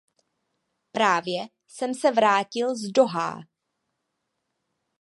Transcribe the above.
Právě jsem se vrátil z Dohá.